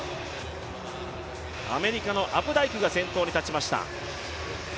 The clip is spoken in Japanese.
アメリカのアプダイクが先頭に立ちました。